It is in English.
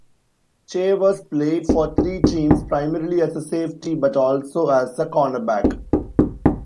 Chavous played for three teams, primarily as a safety but also as a cornerback.